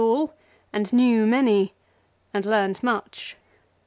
all, and knew many, and learned much.